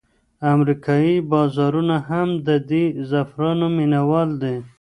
امریکایي بازارونه هم د دې زعفرانو مینوال دي.